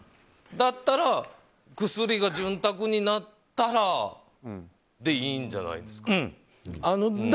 だったら、薬が潤沢になったらでいいんじゃないですか？